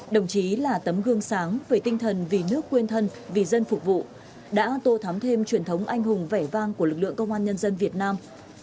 đồng chí là tấm gương sáng về tinh thần vì nước quên thân vì dân phục vụ đã tô thắm thêm truyền thống anh hùng vẻ vang của lực lượng công an nhân dân việt nam